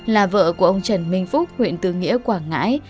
là vợ của ông trần minh phúc huyện tư nghĩa quảng ngãi